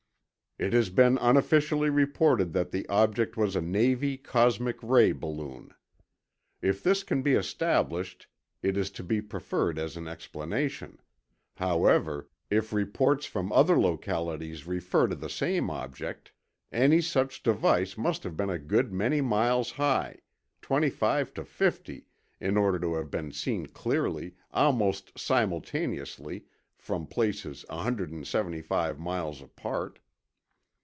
"It has been unofficially reported that the object was a Navy cosmic ray balloon. If this can be established it is to be preferred as an explanation. However, if reports from other localities refer to the same object, any such device must have been a good many miles high—25 to 50—in order to have been seen clearly, almost simultaneously, from places 175 miles apart."